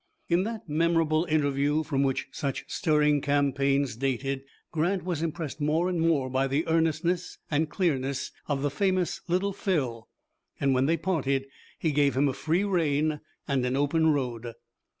In that memorable interview, from which such stirring campaigns dated, Grant was impressed more and more by the earnestness and clearness of the famous Little Phil, and, when they parted, he gave him a free rein and an open road.